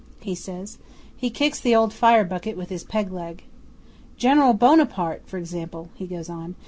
he says. He kicks the old fire bucket with his peg leg. "General Buonaparte, for example!" he goes on.